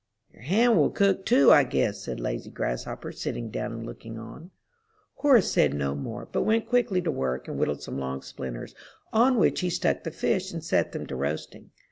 "Your hand will cook, too, I guess," said lazy Grasshopper, sitting down and looking on. Horace said no more, but went quietly to work and whittled some long splinters, on which he stuck the fish and set them to roasting.